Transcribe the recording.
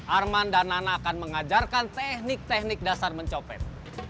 arman dan nana akan mengajarkan teknik teknik dasar mencopet